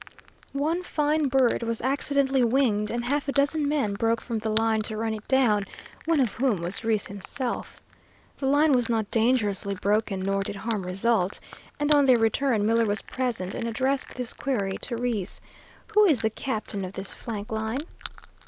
One fine bird was accidentally winged, and half a dozen men broke from the line to run it down, one of whom was Reese himself. The line was not dangerously broken nor did harm result, and on their return Miller was present and addressed this query to Reese: "Who is the captain of this flank line?"